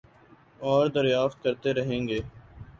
اوردریافت کرتے رہیں گے